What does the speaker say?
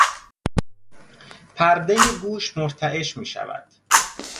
پردهی گوش مرتعش میشود.